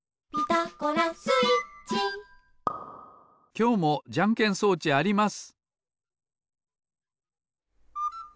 きょうもじゃんけん装置あります。